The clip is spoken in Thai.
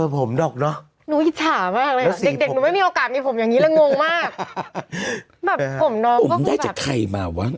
ผมได้จากใครมาวะ